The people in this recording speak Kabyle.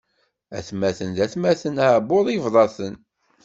Atmaten d atmaten, aɛebbuḍ ibḍa-ten.